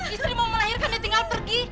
istri mau melahirkan dia tinggal pergi